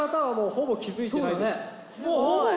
ほぼ気付いてない！